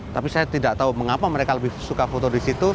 tapi saya tidak tahu mengapa mereka lebih suka foto di situ